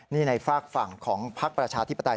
นี่ในฝากฝั่งของพักประชาธิปไตย